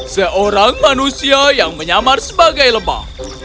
seorang manusia yang menyamar sebagai lebah